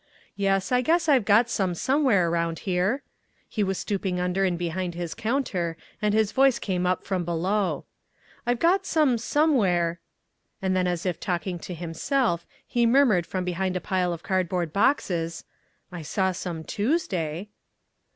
"Yes, I guess I've got some somewhere round here." He was stooping under and behind his counter and his voice came up from below. "I've got some somewhere " And then as if talking to himself he murmured from behind a pile of cardboard boxes, "I saw some Tuesday."